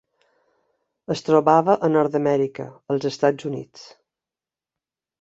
Es trobava a Nord-amèrica: els Estats Units.